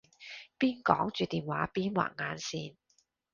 邊講住電話邊畫眼線